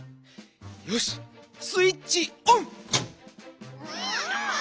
よしスイッチオン！